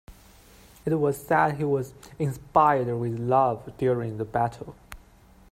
It was said he was inspired with love during the battle.